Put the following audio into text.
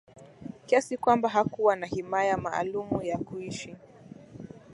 kiasi kwamba hakuwa na himaya maalumu ya kuishi